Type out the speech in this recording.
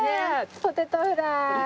ポテトフライ。